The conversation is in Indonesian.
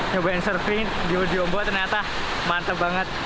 nyobain surfing di ombak ternyata mantep banget